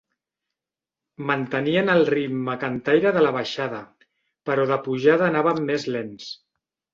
Mantenien el ritme cantaire de la baixada però de pujada anaven més lents.